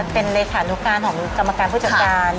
เป็นเลขานุการของกรรมการผู้จัดการ